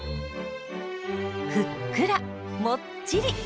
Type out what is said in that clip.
ふっくらもっちり！